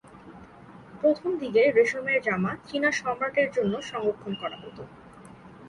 প্রথম দিকে রেশমের জামা চীনা সম্রাটের জন্য সংরক্ষণ করা হতো।